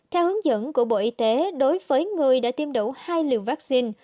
theo hướng dẫn của bộ y tế đối với người đã tiêm đủ hai liều vaccine